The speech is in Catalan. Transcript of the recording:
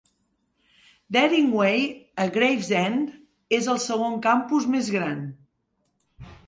Dering Way, a Gravesend, es el segon campus més gran.